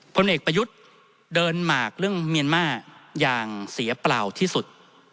ผลเอกประยุทธ์เดินหมากเรื่องเมียนมาอย่างเสียเปล่าที่สุด